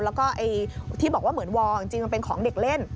แล้วก็ที่บอกว่าเหมือนวอร์จริงมันเป็นของเด็กเล่น